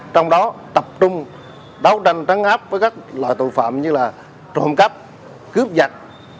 trong đó tập trung đấu tranh trắng áp với các loại tội phạm như trộm cắp cướp giặc